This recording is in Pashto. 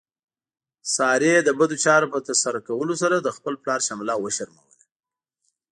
سارې د بدو چارو په ترسره کولو سره د خپل پلار شمله وشرموله.